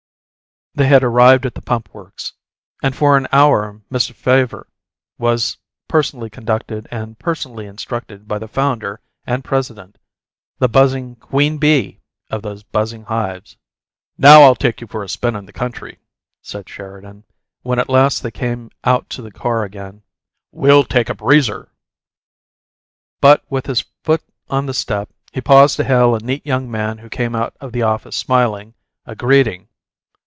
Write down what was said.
They had arrived at the Pump Works; and for an hour Mr. Favre was personally conducted and personally instructed by the founder and president, the buzzing queen bee of those buzzing hives. "Now I'll take you for a spin in the country," said Sheridan, when at last they came out to the car again. "We'll take a breezer." But, with his foot on the step, he paused to hail a neat young man who came out of the office smiling a greeting.